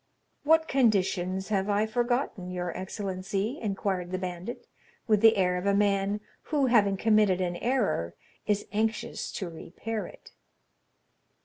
"What conditions have I forgotten, your excellency?" inquired the bandit, with the air of a man who, having committed an error, is anxious to repair it.